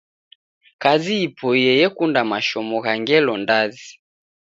Kazi ipoiye yekunda mashomo gha ngelo ndazi